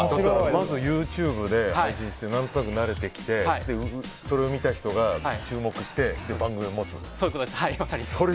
まずＹｏｕＴｕｂｅで始めて何回かやって、慣れてきてそれを見た人が注目して、番組を持つ？